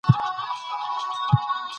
تاسي ولي دغه سړی بېداوئ؟